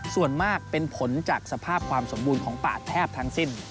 ส่วนมากเป็นผลจากสภาพความสมบูรณ์ของป่าแทบทั้งสิ้น